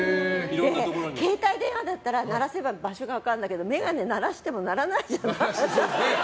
携帯電話だったら鳴らせば場所が分かるんだけど眼鏡、鳴らしても鳴らないじゃない。